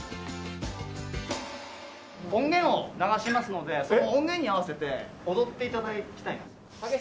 音源を流しますのでその音源に合わせて踊って頂きたいんです。